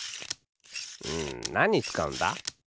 うんなににつかうんだ？